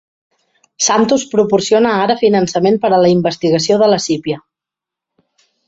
Santos proporciona ara finançament per a la investigació de la sípia.